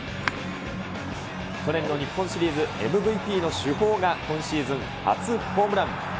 去年の日本シリーズＭＶＰの主砲が今シーズン初ホームラン。